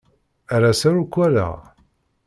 Ar ass-a ur k-walaɣ.